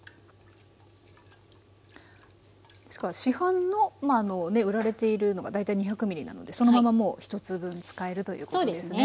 市販の売られているのが大体２００ｍなのでそのままもう１つ分使えるということですね。